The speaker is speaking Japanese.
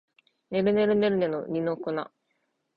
ねるねるねるねの二の粉